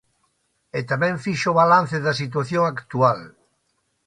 E tamén fixo balance da situación actual.